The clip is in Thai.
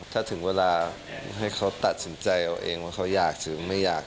ถ้าถึงเวลาให้เขาตัดสินใจเอาเองว่าเขาอยากหรือไม่อยาก